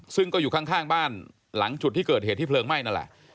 ซึ่งก็อยู่ข้างบ้านหลังจุดที่เกิดเหตุที่เพลิงไหม้นั่นแหละ